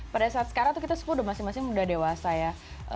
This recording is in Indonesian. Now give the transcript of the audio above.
pada saat sekarang tuh kita semua udah masing masing udah dewasa ya